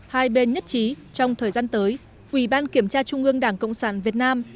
hai bên nhất trí trong thời gian tới ủy ban kiểm tra trung ương đảng cộng sản việt nam